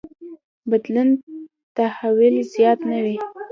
بدلون تحول زیات نه وي.